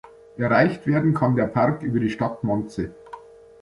Erreicht werden kann der Park über die Stadt Monze.